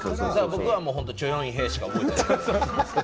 僕はチョヨンヒヘしか覚えていない。